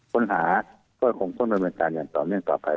คนหาก็คงคุยเป็นไปการอย่างต่อแน่นต่อไป